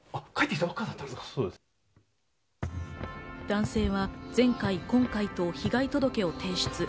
男性は前回、今回と被害届を提出。